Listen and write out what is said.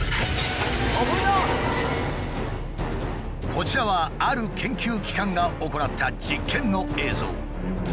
こちらはある研究機関が行った実験の映像。